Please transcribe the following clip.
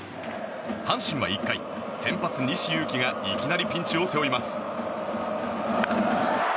阪神は１回先発、西勇輝がいきなりピンチを背負います。